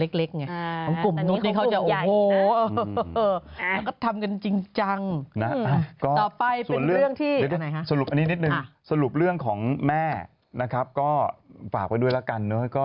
สรุปอันนี้นิดนึงสรุปเรื่องของแม่นะครับก็ฝากกันด้วยแล้วกัน